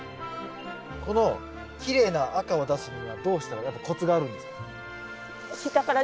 このきれいな赤を出すにはどうしたらやっぱコツがあるんですか？